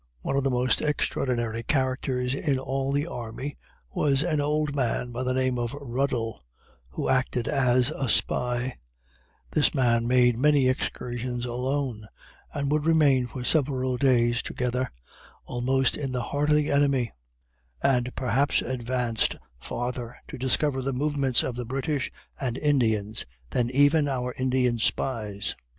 One of the most extraordinary characters in all the army, was an old man by the name of Ruddle who acted as a spy; this man made many excursions alone, and would remain for several days together, almost in the heart of the enemy; and perhaps advanced farther to discover the movements of the British and Indians, than even our Indian spies.